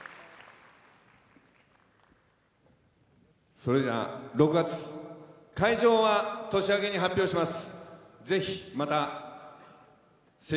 それでは６月会場は、年明けに発表します。